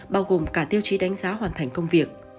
bao gồm cả tiêu chí đánh giá hoàn thành công việc